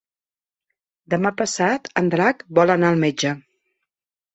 Demà passat en Drac vol anar al metge.